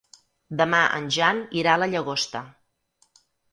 Demà en Jan irà a la Llagosta.